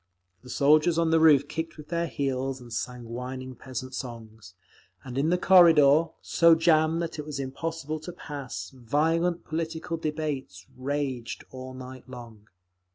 The soldiers on the roof kicked with their heels and sang whining peasant songs; and in the corridor, so jammed that it was impossible to pass, violent political debates raged all night long.